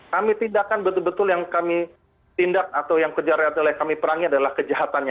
kami tindakan betul betul yang kami tindak atau yang kejar oleh kami perangi adalah kejahatannya